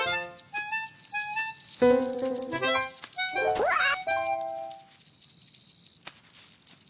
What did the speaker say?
うわっ！